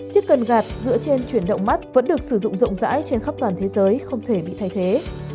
chiếc cần gạt dựa trên chuyển động mắt vẫn được sử dụng rộng rãi trên khắp toàn thế giới không thể bị thay thế